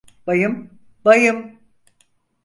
Bayım, bayım.